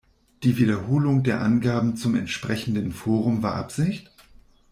Die Wiederholung der Angaben zum entsprechenden Forum war Absicht?